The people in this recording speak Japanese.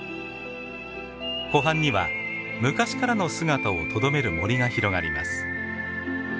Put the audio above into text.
湖畔には昔からの姿をとどめる森が広がります。